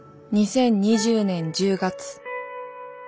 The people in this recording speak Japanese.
２０２０年１０月。